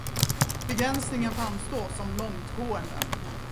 Begränsningen framstår som långtgående.